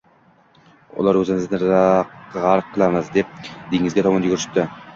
Ular o’zimizni g’arq qilamiz, deb dengizga tomon yugurishibdi